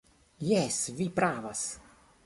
Jes, vi pravas.